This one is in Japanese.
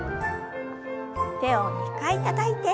手を２回たたいて。